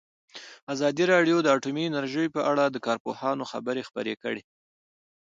ازادي راډیو د اټومي انرژي په اړه د کارپوهانو خبرې خپرې کړي.